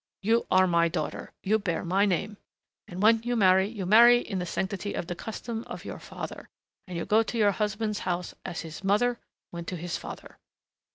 You are my daughter. You bear my name. And when you marry you marry in the sanctity of the custom of your father and you go to your husband's house as his mother went to his father."